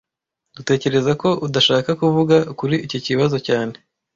Dutekereza ko udashaka kuvuga kuri iki kibazo cyane